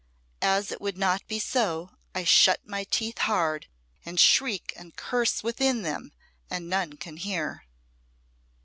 As it would not be so, I shut my teeth hard, and shriek and curse within them, and none can hear."